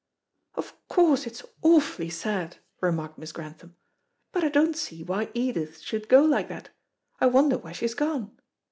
"Of course it's awfully sad," remarked Miss Grantham, "but I don't see why Edith should go like that. I wonder where she's gone.